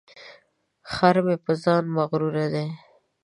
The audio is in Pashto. خر مې په ځان مغروره دی.